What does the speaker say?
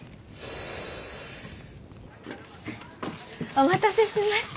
お待たせしました！